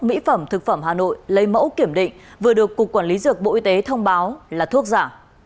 mỹ phẩm thực phẩm hà nội lấy mẫu kiểm định vừa được cục quản lý dược bộ y tế thông báo là thuốc giả